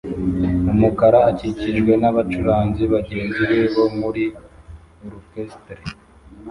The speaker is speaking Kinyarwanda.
yumukara akikijwe nabacuranzi bagenzi be bo muri orukestere